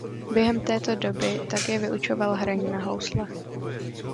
Během této doby také vyučoval hraní na housle.